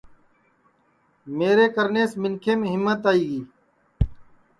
میرے کرنیس منکھیم ہیمت آئی گی